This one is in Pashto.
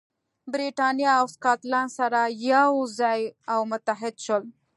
برېټانیا او سکاټلند سره یو ځای او متحد شول.